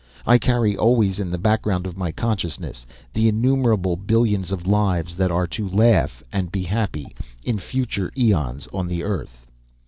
I carry always in the background of my consciousness the innumerable billions of lives that are to laugh and be happy in future aeons on the earth.